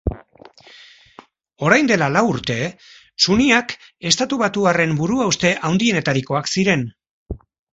Orain dela lau urte, suniak estatubatuarren buruhauste handienetarikoak ziren.